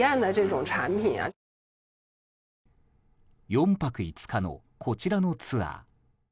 ４泊５日のこちらのツアー。